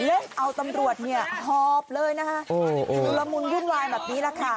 เลยเอาตำรวจเนี่ยหอบเลยนะคะชุลมุนวุ่นวายแบบนี้แหละค่ะ